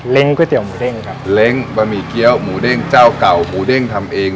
ก๋วยเตี๋หมูเด้งครับเล้งบะหมี่เกี้ยวหมูเด้งเจ้าเก่าหมูเด้งทำเอง